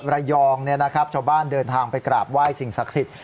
ระยองชาวบ้านเดินทางไปกราบไหว้สิ่งศักดิ์สิทธิ